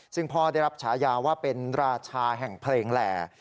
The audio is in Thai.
ซึ่งพ่อได้รับฉายาว่าเป็นราชาแห่งเพลงแหล่